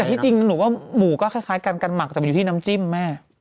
แต่ที่จริงหนูว่าหมูก็คล้ายกันกันหมักแต่มันอยู่ที่น้ำจิ้มแม่